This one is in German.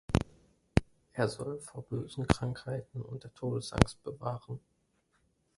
Er soll vor bösen Krankheiten und der Todesangst bewahren.